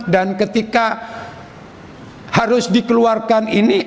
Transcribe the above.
dan ketika harus dikeluarkan ini